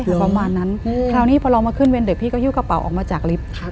ใช่ค่ะประมาณนั้นคราวนี้พอเรามาขึ้นเวนเดี๋ยวพี่ก็ยุกกระเป๋าออกมาจากลิฟต์